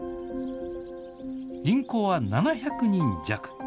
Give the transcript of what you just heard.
人口は７００人弱。